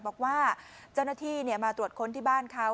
บอกว่าเจ้าหน้าที่มาตรวจค้นที่บ้านเขา